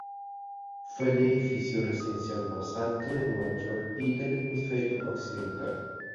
Fue el edificio residencial más alto de Nueva York y del hemisferio occidental.